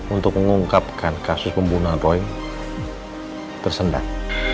untuk mengungkapkan kasus pembunuhan roy tersendat